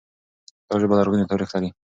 دا ژبه لرغونی تاريخ لري.